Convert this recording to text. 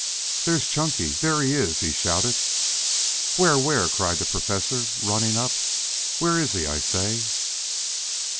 "There's Chunky! There he is!" he shouted. "Where? Where?" cried the Professor, running up. "Where is he, I say?"